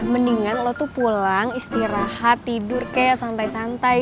mendingan lo tuh pulang istirahat tidur kayak santai santai